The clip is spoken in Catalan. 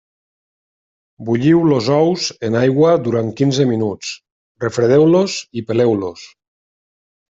Bulliu els ous en aigua durant quinze minuts, refredeu-los i peleu-los.